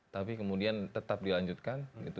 tapi kemudian tetap dilanjutkan gitu